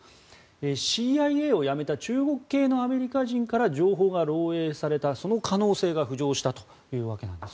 ＣＩＡを辞めた中国系のアメリカ人から情報が漏えいされたその可能性が浮上したというわけなんです。